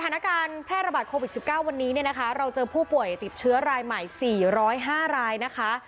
สถานการณ์แพร่ระบาดโควิด๑๙วันนี้เนี่ยนะคะเราเจอผู้ป่วยติดเชื้อรายใหม่๔๐๕รายนะคะ